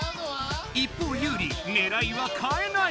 一方ユウリねらいはかえない！